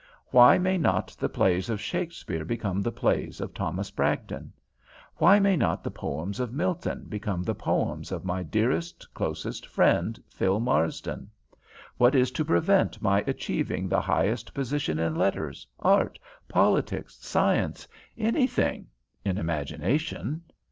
Why may not the plays of Shakespeare become the plays of Thomas Bragdon? Why may not the poems of Milton become the poems of my dearest, closest friend Phil Marsden? What is to prevent my achieving the highest position in letters, art, politics, science, anything, in imagination?